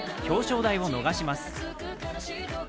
表彰台を逃します。